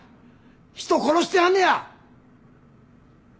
人殺してはんねや！